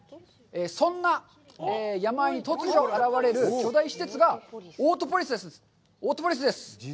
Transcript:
そんな山あいに突如現れる巨大施設がオートポリスです。